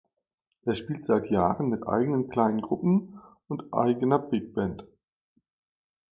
Er spielt seit Jahren mit eigenen kleinen Gruppen und eigener Bigband.